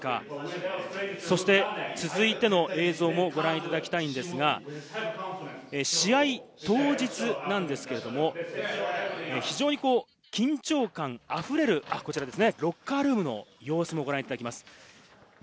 そして続いての映像もご覧いただきたいんですが、試合当日なんですけれども、非常に緊張感あふれるロッカールームの様子もご覧いただきます。